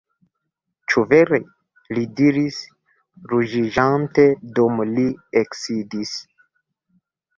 Ĉu vere? li diris ruĝiĝante, dum li eksidis.